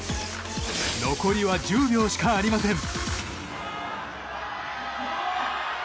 残りは１０秒しかありません。